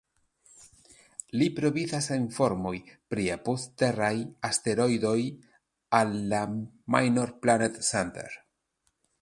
Li provizas informojn pri apud-teraj asteroidoj al la "Minor Planet Center".